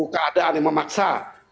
keadaan yang memaksa